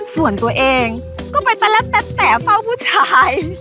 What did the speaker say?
ส่วนตัวเองก็ไปแตะแล้วแตะแตะเฝ้าผู้ชาย